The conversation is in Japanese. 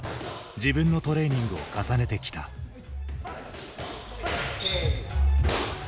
自分のトレーニングを重ねてきた。ＯＫ！